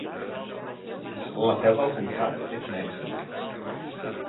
La seu del comtat és Mèxic.